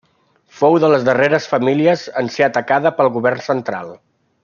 Fou de les darreres famílies en ser atacada pel govern central.